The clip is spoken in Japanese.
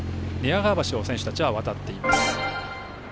寝屋川橋を選手たちは渡っています。